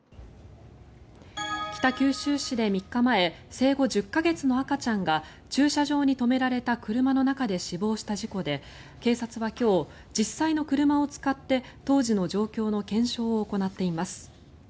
北九州市で３日前生後１０か月の赤ちゃんが駐車場に止められた車の中で死亡した事故で警察は今日、実際の車を使って当時の状況の検証を行っています。